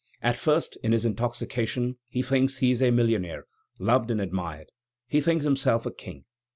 At first, in his intoxication, he thinks he is a millionnaire, loved and admired; he thinks himself a king.